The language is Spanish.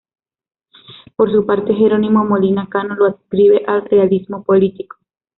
Por su parte, Jerónimo Molina Cano lo adscribe al realismo político.